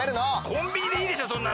コンビニでいいでしょそんなの！